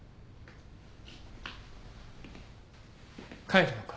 帰るのか？